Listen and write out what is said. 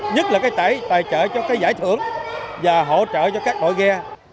nhất là cái tài trợ cho cái giải thưởng và hỗ trợ cho các đội ghe